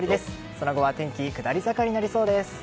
その後は天気が下り坂になりそうです。